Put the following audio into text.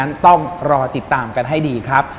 ด้านนั้นต้องรอติดตามกันให้ดีครับ